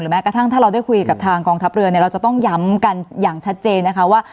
แม้กระทั่งถ้าเราได้คุยกับทางกองทัพเรือเนี่ยเราจะต้องย้ำกันอย่างชัดเจนนะคะว่า